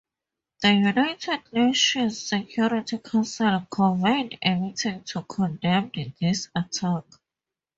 The United Nations Security Council convened a meeting to condemn this attack.